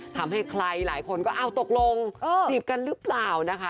ทำให้ใครหลายคนก็อ้าวตกลงจีบกันหรือเปล่านะคะ